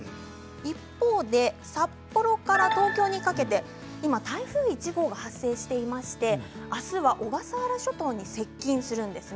一方で札幌から東京にかけて今、台風１号が発生していましてあすは小笠原諸島に接近するんです。